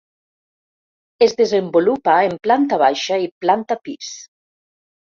Es desenvolupa en planta baixa i planta pis.